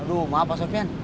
aduh maaf pak sofian